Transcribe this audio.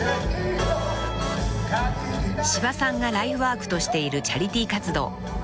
［柴さんがライフワークとしているチャリティー活動］